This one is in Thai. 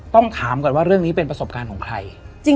ต้องถามก่อนว่าเรื่องนี้เป็นประสบการณ์ของใคร